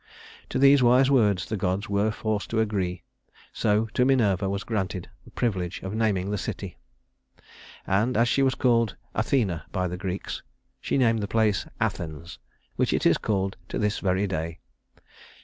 To these wise words the gods were forced to agree, so to Minerva was granted the privilege of naming the city; and as she was called Athena, by the Greeks, she named the place Athens, which it is called to this very day.